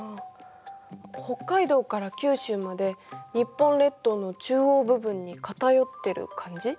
北海道から九州まで日本列島の中央部分に偏ってる感じ？